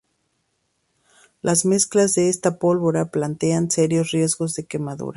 Las mezclas de esta pólvora plantean serios riesgos de quemadura.